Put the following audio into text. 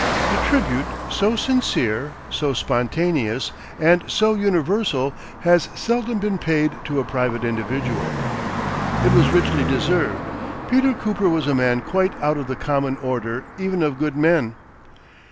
A tribute so sincere, so spontaneous and so universal, has seldom been paid to a private individual. It was richly deserved. Peter Cooper was a man quite out of the common order even of good men.